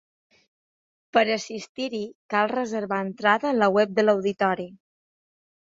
Per assistir-hi cal reservar entrada a la web de l’auditori.